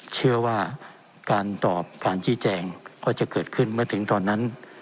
เชื่อว่าการตอบการชี้แจงก็จะเกิดขึ้นเมื่อถึงตอนนั้น